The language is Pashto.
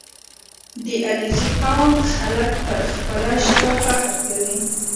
• د علیزي قوم خلک پر خپله ژبه فخر کوي.